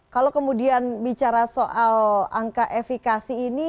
kalau kemudian bicara soal angka efekasi ini